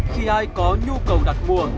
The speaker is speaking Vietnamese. khi ai có nhu cầu đặt mua